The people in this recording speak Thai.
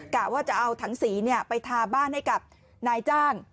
กะว่าจะเอาถังสีไปทาบ้านให้กับนายจ้าง